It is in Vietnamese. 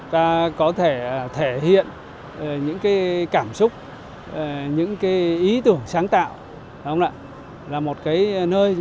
ta có thể thể hiện những cái cảm xúc những cái ý tưởng sáng tạo